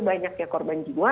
banyak korban jiwa